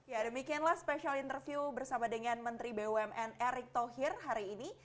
ya demikianlah special interview bersama dengan menteri bumn erick thohir hari ini